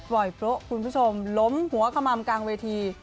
ปล่อยโปร่งคุณผู้ชมล้มหัวขมามกลางเวที